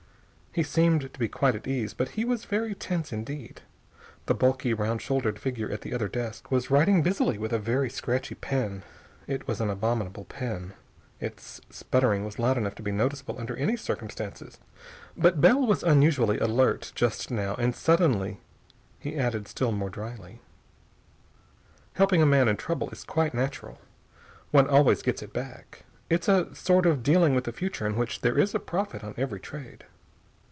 He seemed to be quite at ease, but he was very tense indeed. The bulky, round shouldered figure at the other desk was writing busily with a very scratchy pen. It was an abominable pen. Its sputtering was loud enough to be noticeable under any circumstances, but Bell was unusually alert, just now, and suddenly he added still more drily: "Helping a man in trouble is quite natural. One always gets it back. It's a sort of dealing with the future in which there is a profit on every trade."